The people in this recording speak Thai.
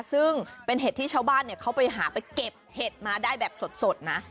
ซึ่งเป็นเห็ดที่ชาวบ้านเขาไปหาไปเก็บเห็ดมาได้แบบสดนะ